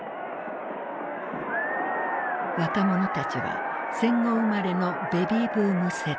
若者たちは戦後生まれのベビーブーム世代。